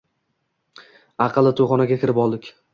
Aqalli toʻyxonaga kirib oldik.